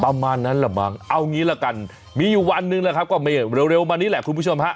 ประมาณนั้นแหละมั้งเอางี้ละกันมีอยู่วันหนึ่งแหละครับก็ไม่เร็วมานี้แหละคุณผู้ชมฮะ